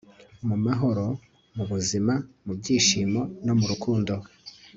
mu mahoro mubuzima mubyishimo no murukundo